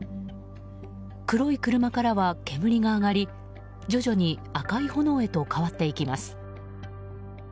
黒い車からは煙が上がり徐々に赤い炎へと変わっていきます。